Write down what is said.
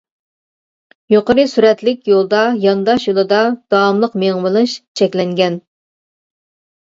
يۇقىرى سۈرئەتلىك يولدا يانداش يولىدا داۋاملىق مېڭىۋېلىش چەكلەنگەن.